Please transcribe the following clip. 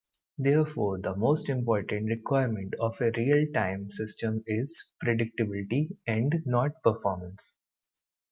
Therefore, the most important requirement of a real-time system is predictability and not performance.